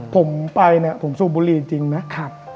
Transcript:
ผมไปผมสู้บุรีจริงนะครับ